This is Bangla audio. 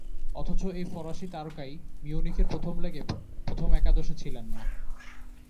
অথচ, এই ফরাসি তারকাই মিউনিখের প্রথম লেগে প্রথম একাদশে ছিলেন না।